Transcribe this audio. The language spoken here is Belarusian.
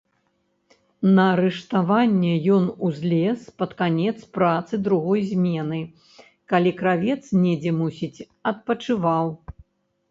На рыштаванне ён узлез пад канец працы другой змены, калі кравец недзе, мусіць, адпачываў.